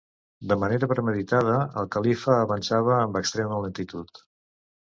De manera premeditada el califa avançava amb extrema lentitud.